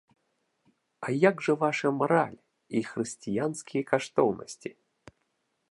А як жа ваша мараль і хрысціянскія каштоўнасці?